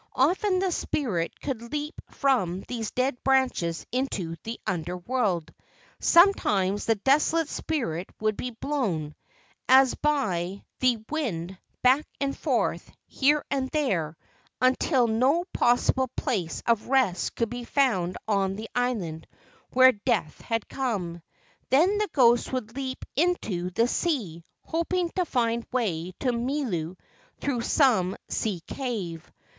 Often the spirit could leap from these dead branches into the Under¬ world. Sometimes the desolate spirit would be blown, as by the KIKAKAPU HOMELESS AND DESOLATE GHOSTS 247 wind, back and forth, here and there, until no possible place of rest could be found on the island where death had come; then the ghost would leap into the sea, hoping to find the way to Milu through some sea cave.